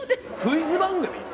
クイズ番組！？